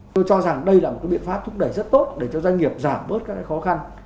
tôi cho rằng đây là một biện pháp thúc đẩy rất tốt để cho doanh nghiệp giảm bớt các khó khăn